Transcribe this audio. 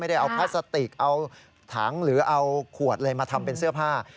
ได้เอาพลาสติกเอาถังหรือเอาขวดอะไรมาทำเป็นเสื้อผ้า